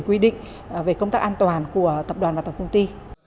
quy định về công tác an toàn của tập đoàn và tổng công ty